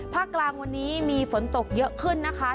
กลางวันนี้มีฝนตกเยอะขึ้นนะคะ